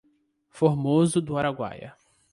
Formoso do Araguaia